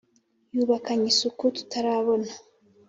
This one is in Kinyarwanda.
yubakany' isuku tutarabona.